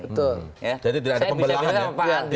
betul jadi tidak ada pembalasan ya saya bisa bilangkan pak andi